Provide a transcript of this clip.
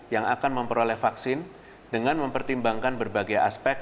yang akan memperoleh vaksin dengan mempertimbangkan berbagai aspek